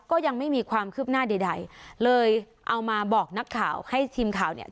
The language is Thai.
ก็ยังไม่มีความคืบหน้าใดใดเลยเอามาบอกนักข่าวให้ทีมข่าวเนี่ย